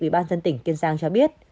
ủy ban dân tỉnh kiên giang cho biết